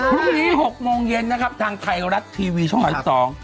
พรุ่งนี้๖โมงเย็นทางไทรัสทีวีช่องร้าน๔